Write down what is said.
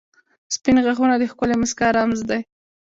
• سپین غاښونه د ښکلې مسکا رمز دی.